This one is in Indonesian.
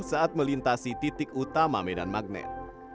saat melintasi titik utama medan magnet